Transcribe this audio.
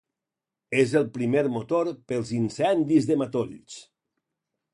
És el primer motor pels incendis de matolls.